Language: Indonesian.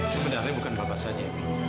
sebenarnya bukan bapak saja